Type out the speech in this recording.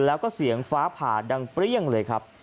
แล้วเจี๊ยงฝ้าพาดังเปลี่ยงเลยครับ